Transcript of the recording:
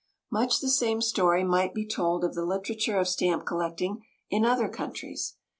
Much the same story might be told of the literature of stamp collecting in other countries.